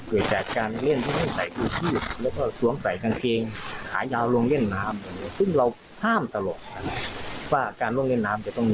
เกิดจากการเล่น